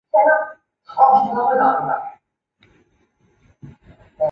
鸯输伐摩塔库里王朝国王。